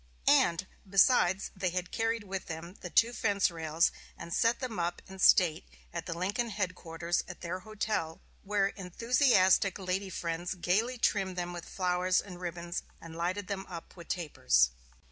And, besides they had carried with them the two fence rails, and set them up in state at the Lincoln headquarters at their hotel, where enthusiastic lady friends gaily trimmed them with flowers and ribbons and lighted them up with tapers.